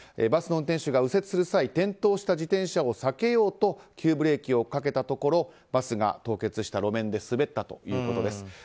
バスの運転手が右折する際転倒した自転車を避けようと急ブレーキをかけたところバスが凍結した路面で滑ったということです。